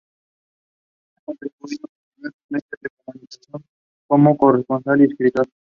Ha contribuido con diversos medios de comunicación como corresponsal y escritor.